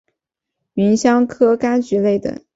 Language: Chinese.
芸香科柑橘类等。